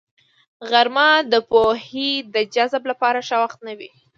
غرمه د پوهې د جذب لپاره ښه وخت نه وي